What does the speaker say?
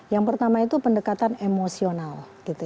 yang pertama itu pendekatan emosional